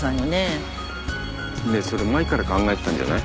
ねえそれ前から考えてたんじゃない？